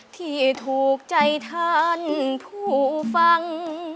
ที่ถูกใจท่านผู้ฟัง